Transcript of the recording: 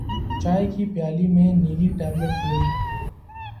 چائے کی پیالی میں نیلی ٹیبلٹ گھولی